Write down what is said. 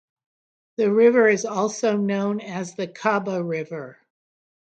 The river is also known as the Kaba River.